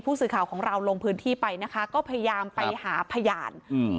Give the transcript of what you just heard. สื่อข่าวของเราลงพื้นที่ไปนะคะก็พยายามไปหาพยานอืม